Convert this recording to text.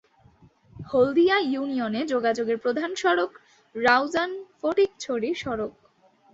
হলদিয়া ইউনিয়নে যোগাযোগের প্রধান সড়ক রাউজান-ফটিকছড়ি সড়ক।